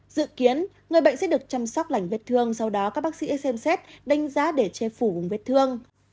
dự kiến người bệnh sẽ được chăm sóc lành vết thương sau đó các bác sĩ smz đánh giá để che phủ vùng vết thương